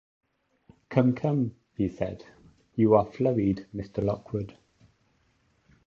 ‘Come, come,’ he said, ‘you are flurried, Mr. Lockwood.